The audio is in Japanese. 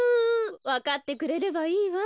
わかってくれればいいわ。